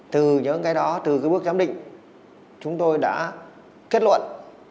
từ những cái đó từ cái bước giám định chúng tôi đã kết luận